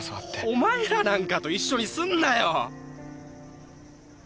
お前らなんかと一緒にすんなよ。